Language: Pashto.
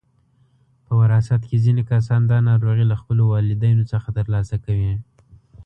په وراثت کې ځینې کسان دا ناروغي له خپلو والدینو څخه ترلاسه کوي.